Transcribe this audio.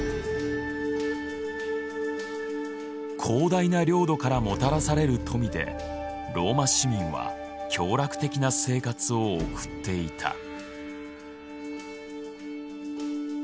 広大な領土からもたらされる富でローマ市民は享楽的な生活を送っていた。